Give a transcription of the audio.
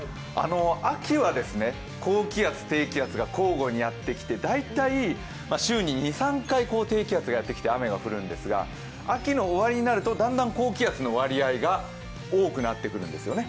秋は高気圧、低気圧が交互にやってきて、大体週に２３回やってきて雨が降るんですが秋の終わりになるとだんだん高気圧の割合が多くなってくるんですよね。